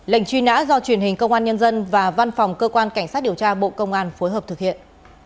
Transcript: lệnh truy nã do truyền hình công an nhân dân và văn phòng cơ quan cảnh sát điều tra bộ công an phối hợp thực hiện